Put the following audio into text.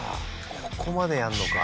ここまでやるのか。